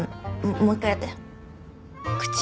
もう一回やって。